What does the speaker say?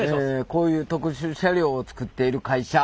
こういう特殊車両を作っている会社